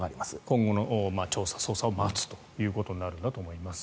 今後の調査・捜査を待つということになるんだと思います。